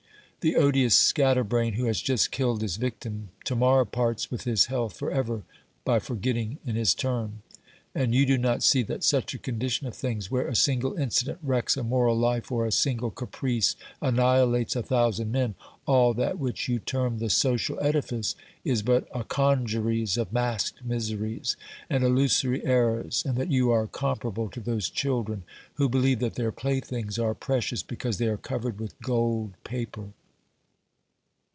The odious scatterbrain who has just killed his victim to morrow parts with his health for ever by forgetting in his turn. And you do not see that such a condition of things, where a single incident wrecks a moral life or a single caprice annihilates a thousand men, all that which you term the social edifice, is but a congeries of masked miseries and illusory errors, and that you are comparable to those children who believe that their playthings are precious because they are covered with gold paper.